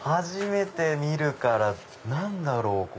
初めて見るから何だろう？